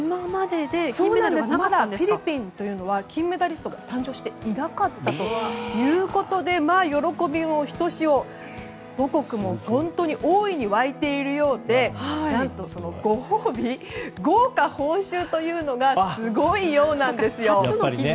まだフィリピンというのは金メダリストが誕生していなかったということで喜びもひとしお母国も大いに沸いているようで何と、そのご褒美、豪華報酬がすごいようなんですよ。